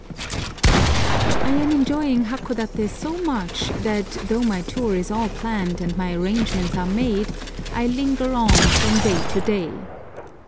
I AM enjoying Hakodaté so much that, though my tour is all planned and my arrangements are made, I linger on from day to day.